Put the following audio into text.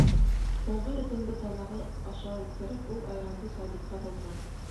Һуңғы йотомдо тамағы аша үткәреп, ул айранды Сабитҡа һуҙҙы.